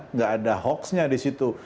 nggak ada hoaxnya di situ